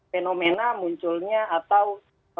fenomena munculnya atau